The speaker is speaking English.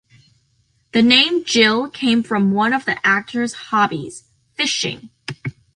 The name Gil came from one of the actor's hobbies, fishing.